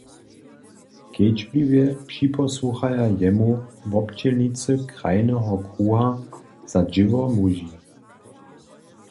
Kedźbliwje připosłuchaja jemu wobdźělnicy krajneho kruha za dźěło muži.